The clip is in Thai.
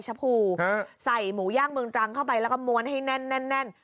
ชะพูฮะใส่หมูย่างเมืองจังเข้าไปแล้วก็ม้วนให้แน่นแน่นแนะน